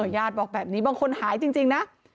ญาติบอกแบบนี้บางคนหายจริงนะ